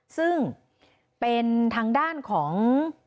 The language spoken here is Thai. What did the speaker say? ซึ่งเป็นทางด้านของ